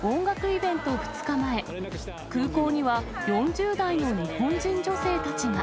イベント２日前、空港には、４０代の日本人女性たちが。